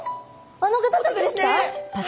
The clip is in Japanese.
あの方たちですか。